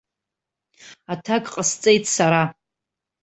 Аҭак ҟасҵеит сара.